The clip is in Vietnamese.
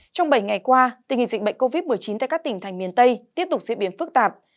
trong bảy ngày qua tình hình dịch bệnh covid một mươi chín tại các tỉnh thành miền tây tiếp tục diễn biến phức tạp